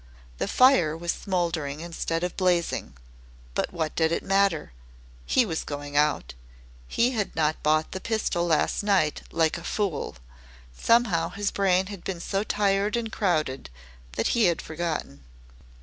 The fire was smouldering instead of blazing. But what did it matter? He was going out. He had not bought the pistol last night like a fool. Somehow his brain had been so tired and crowded that he had forgotten.